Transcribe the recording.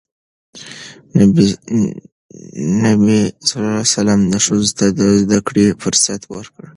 نبي ﷺ ښځو ته د زدهکړې فرصت ورکړ.